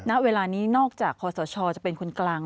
ณเวลานี้นอกจากคอสชจะเป็นคนกลาง